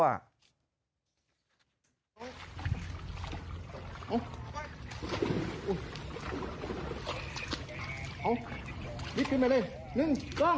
เอาอีกไปเลย๑๒๓